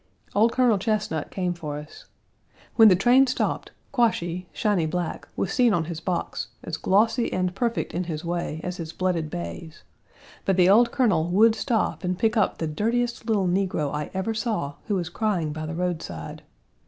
Old Colonel Chesnut came for us. When the train stopped, Quashie, shiny black, was seen on his box, as glossy and perfect in his way as his blooded bays, but the old Colonel would stop and pick up the dirtiest little negro I ever saw who was crying by the roadside.